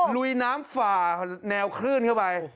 ลุยน้ำฝ่าแนวคลื่นเข้าไป